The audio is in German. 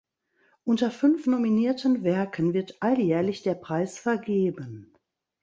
Unter fünf nominierten Werken wird alljährlich der Preis vergeben.